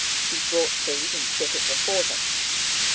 She brought food and set it before them.